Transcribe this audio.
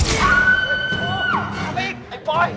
ปู่สามีไอ้ป่อย